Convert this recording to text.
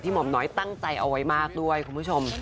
หม่อมน้อยตั้งใจเอาไว้มากด้วยคุณผู้ชม